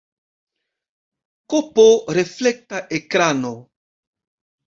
Kp reflekta ekrano.